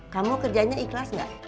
kamu kerjanya ikhlas enggak